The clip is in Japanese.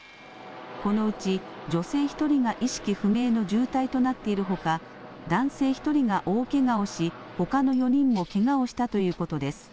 このうち女性１人が意識不明の重体となっているほか男性１人が大けがをし、ほかの４人もけがをしたということです。